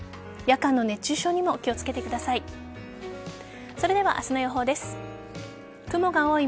夜間の熱中症にも気をつけてください。